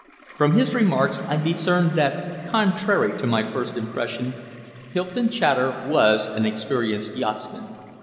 From his remarks I discerned that, contrary to my first impression, Hylton Chater was an experienced yachtsman.